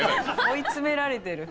追い詰められてる。